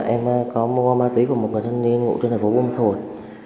em có mua ma túy của một người thân niên ngủ trên thành phố buôn ma thuột